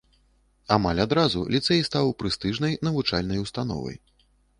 Амаль адразу ліцэй стаў прэстыжнай навучальнай установай.